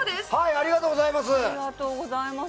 ありがとうございます。